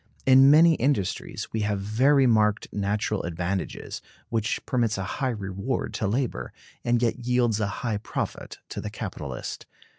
In many industries we have very marked natural advantages, which permits a high reward to labor, and yet yields a high profit to the capitalist.